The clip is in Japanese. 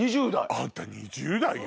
あんた２０代よ！